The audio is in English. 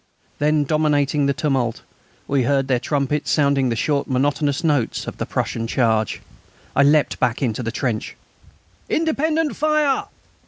Then, dominating the tumult, we heard their trumpets sounding the short, monotonous notes of the Prussian charge. I leaped back into the trench. "Independent fire!"